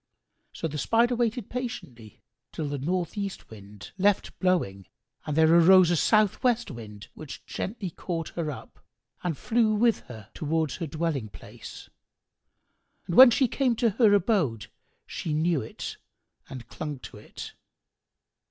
So the Spider waited patiently, till the north east Wind left blowing and there arose a south west Wind, which gently caught her up and flew with her towards her dwelling place; and when she came to her abode, she knew it and clung to it.